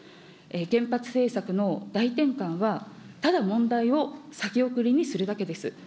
原発政策の大転換は、ただ問題を先送りにするだけです。